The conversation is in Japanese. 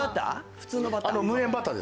普通のバター？